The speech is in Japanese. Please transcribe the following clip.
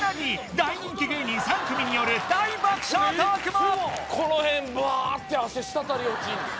大人気芸人３組による大爆笑トークも！